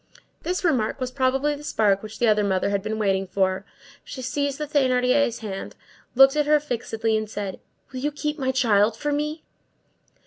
This remark was probably the spark which the other mother had been waiting for. She seized the Thénardier's hand, looked at her fixedly, and said:— "Will you keep my child for me?"